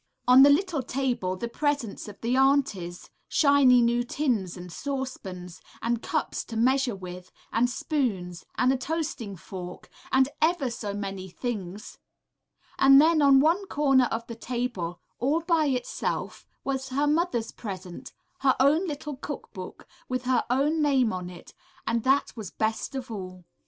On the little table the presents of the aunties, shiny new tins and saucepans, and cups to measure with, and spoons, and a toasting fork, and ever so many things; and then on one corner of the table, all by itself, was her mother's present, her own little cook book, with her own name on it, and that was best of all.